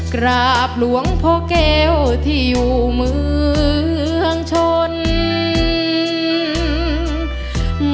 กราบหลวงพ่อแก้วที่อยู่เมืองชน